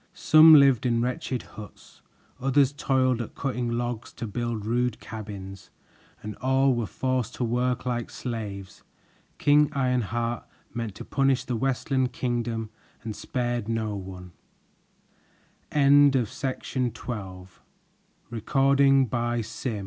Some lived in wretched huts; others toiled at cutting logs to build rude cabins, and all were forced to work like slaves. King Ironheart meant to punish the Westland Kingdom and spared no one. Though the castle of this cruel king lay